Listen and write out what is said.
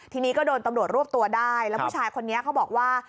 ทีนี้ก็โดนตำรวจรวบตัวได้แล้วผู้ชายคนนี้เขาบอกว่า